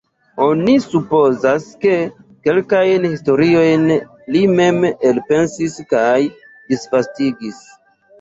Oni supozas, ke kelkajn historiojn li mem elpensis kaj disvastigis.